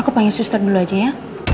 aku pengen suster dulu aja ya